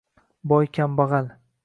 «Boy-kambag‘al»